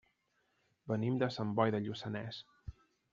Venim de Sant Boi de Lluçanès.